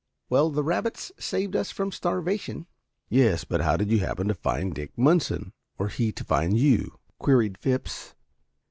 "Well, the rabbits saved us from starvation." "Yes, but how did you happen to find Dick Munson, or he to find you?" queried Phipps.